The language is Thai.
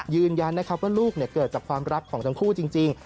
ยืนยันนะครับว่าลูกเกิดจากความรักของทั้งคู่จริง